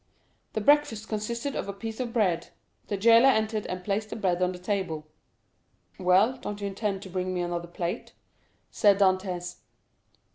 The breakfast consisted of a piece of bread; the jailer entered and placed the bread on the table. "Well, don't you intend to bring me another plate?" said Dantès.